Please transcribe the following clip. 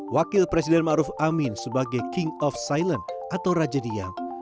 wakil presiden ma'ruf amin sebagai king of silent atau raja diam